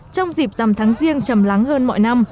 trong dịp dằm tháng riêng chầm lắng hơn mọi năm